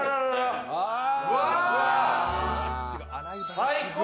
最高！